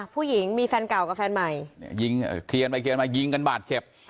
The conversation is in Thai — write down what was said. ผู้หญิงมีแฟนเก่าก็แฟนใหม่ยิงขึ้นมานิยินกันบาตเสียบ